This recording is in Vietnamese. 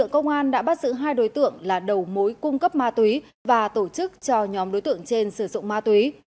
công an đã bắt giữ hai đối tượng là đầu mối cung cấp ma túy và tổ chức cho nhóm đối tượng trên sử dụng ma túy